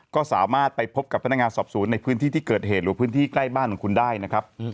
ก็สามารถไปพบกับพนักงานสอบสวนในพื้นที่ที่เกิดเหตุหรือพื้นที่ใกล้บ้านของคุณได้นะครับ